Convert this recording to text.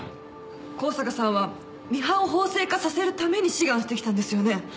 香坂さんはミハンを法制化させるために志願してきたんですよね？